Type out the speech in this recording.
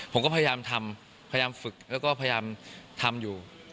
ผมก็พยายามทำพยายามฝึกแล้วก็พยายามทำอยู่